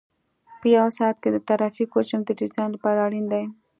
په یو ساعت کې د ترافیک حجم د ډیزاین لپاره اړین دی